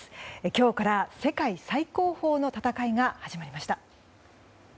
今日から世界最高峰の戦いが始まりました。